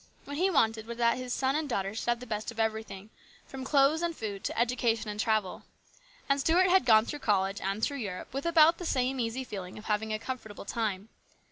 What he wanted was that his son and daughter should have the best of everything, from clothes and food to education and travel. And Stuart had gone through college and through Europe with about the same easy feeling of having a com fortable time.